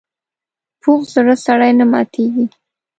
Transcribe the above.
پوخ زړه سړي نه ماتېږي